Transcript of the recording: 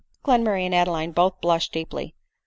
Glenmurray and Adeline both blushed deeply.